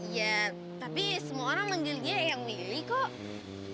ya tapi semua orang manggil dia yang milih kok